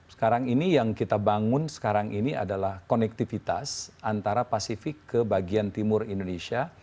sekarang ini yang kita bangun sekarang ini adalah konektivitas antara pasifik ke bagian timur indonesia